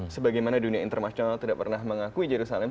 sebagaimana dunia internasional tidak pernah mengakui jerusalem